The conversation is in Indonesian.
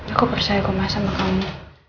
aku percaya gue mah sama kamu